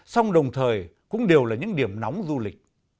xong đồng thời cũng đều là những điểm nóng du lịch